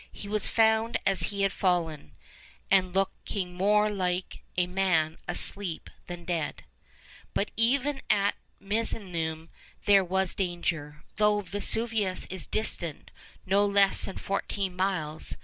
He was found as he had fallen, 'and looking more like a man asleep than dead.' But even at Misenum there was danger, though Vesuvius is distant no less than fourteen miles.